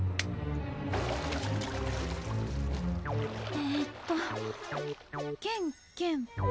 えっとケンケンパ。